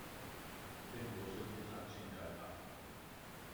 並不是經常性改版